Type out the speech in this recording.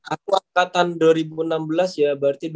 aku angkatan dua ribu enam belas ya berarti dua ribu